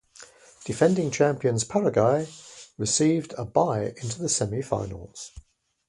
Defending champions Paraguay received a bye into the semi-finals.